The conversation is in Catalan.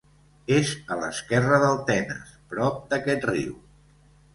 És a l'esquerra del Tenes, prop d'aquest riu.